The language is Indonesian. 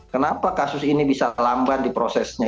kenapa kasus ini bisa lamban di prosesnya